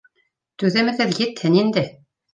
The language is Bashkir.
Түҙемегеҙ етһен инде